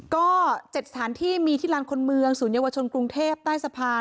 ก็๗สถานที่มีที่ลานคนเมืองศูนยวชนกรุงเทพใต้สะพาน